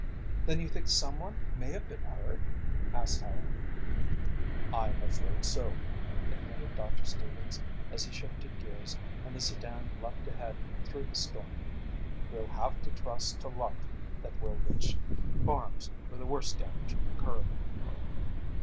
"Then you think someone may have been hurt?" asked Helen. "I'm afraid so," admitted Doctor Stevens as he shifted gears and the sedan leaped ahead through the storm. "We'll have to trust to luck that we'll reach farms where the worst damage occurred."